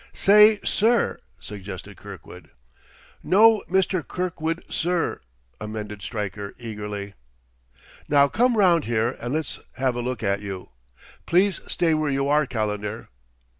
"Say 'sir'!" suggested Kirkwood. "No, Mr. Kirkwood, sir," amended Stryker eagerly. "Now come round here and let's have a look at you. Please stay where you are, Calendar....